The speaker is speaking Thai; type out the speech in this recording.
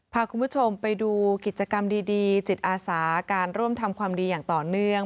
พาคุณผู้ชมไปดูกิจกรรมดีจิตอาสาการร่วมทำความดีอย่างต่อเนื่อง